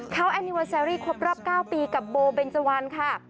เขาแอนิเวอร์แซรี่ครบรอบ๙ปีกับโบเบนเจวันค่ะ